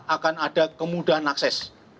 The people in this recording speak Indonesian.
akan ada kemudahan akses